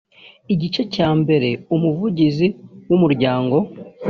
igice cya mbere umuvugizi w’umuryango